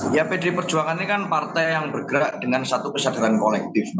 ya pdi perjuangan ini kan partai yang bergerak dengan satu kesadaran kolektif